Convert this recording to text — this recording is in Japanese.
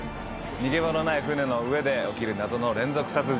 逃げ場のない船の上で起きる謎の連続殺人。